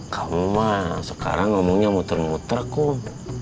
kamu mah sekarang ngomongnya muter muter kok